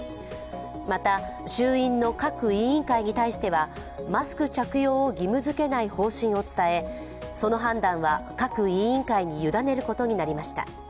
また、衆院の各委員会に対してはマスク着用を義務づけない方針を伝えその判断は各委員会に委ねることになりました。